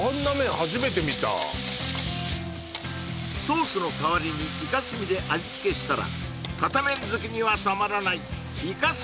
初めて見たソースの代わりにイカ墨で味つけしたらかた麺好きにはたまらないイカ墨